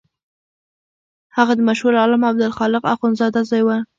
هغه د مشهور عالم عبدالخالق اخوندزاده زوی و.